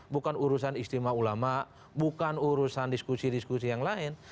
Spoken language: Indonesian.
bukan urusan istimewa ulama bukan urusan diskusi diskusi yang lain